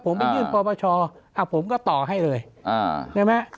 ผมไปยื่นปปชผมก็ต่อให้เลยใช่ไหม